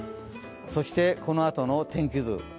そしてこのあとの天気図。